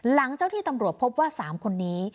หลังเจ้าที่ตำรวจพบว่า๓คนนี้